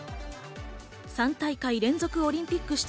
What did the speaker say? ３大会連続オリンピック